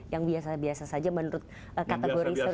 yang biasa biasa saja menurut kategori surya paloh